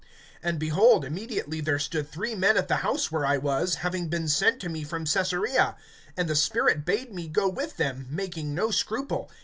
(11)And, behold, immediately there stood three men at the house where I was, having been sent to me from Caesarea. (12)And the Spirit bade me go with them, making no scruple.